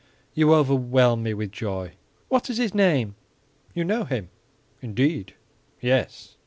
"You overwhelm me with joy. What is his name?" "You know him." "Indeed." "Yes."